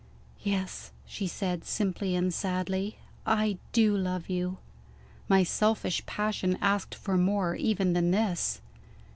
"Yes," she said, simply and sadly, "I do love you." My selfish passion asked for more even than this.